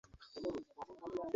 উর্দু হল সরকারি ভাষা।